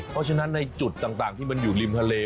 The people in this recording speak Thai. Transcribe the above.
เพราะฉะนั้นในจุดต่างที่มันอยู่ริมทะเล